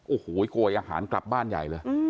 โอ้โหโกยอาหารกลับบ้านใหญ่เลย